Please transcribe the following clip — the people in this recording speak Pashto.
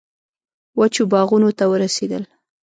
وچو باغونو ته ورسېدل.